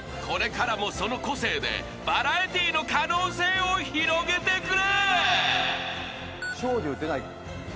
［これからもその個性でバラエティーの可能性を広げてくれ！］